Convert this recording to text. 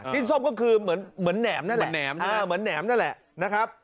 จิ้นส้มก็คือเหมือนแหนมนั่นแหละ